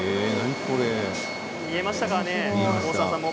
見えましたかね？